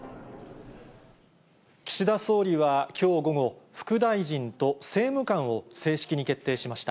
岸田総理はきょう午後、副大臣と政務官を正式に決定しました。